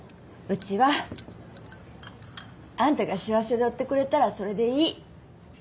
うちはあんたが幸せでおってくれたらそれでいい。